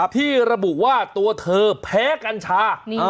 ที่ระบุว่าตัวเธอแพ้กัญชา